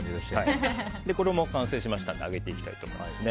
これも完成しましたので揚げていきたいと思います。